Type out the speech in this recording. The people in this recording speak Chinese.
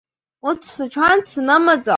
每日提供服务。